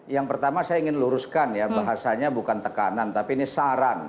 yang pertama saya ingin luruskan ya bahasanya bukan tekanan tapi ini saran